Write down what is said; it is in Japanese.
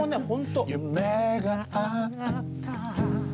夢があった」